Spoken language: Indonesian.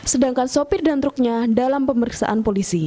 sedangkan sopir dan truknya dalam pemeriksaan polisi